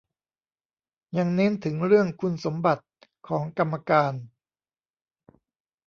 ยังเน้นถึงเรื่องคุณสมบัติของกรรมการ